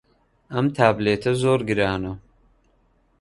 ئەم تابلێتە زۆر گرانە.